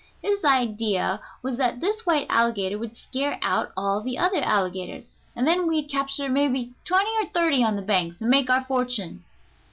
His idea was that this white alligator would scare out all the other alligators, and then we'd capture mebbe twenty or thirty on the banks, and make our fortune."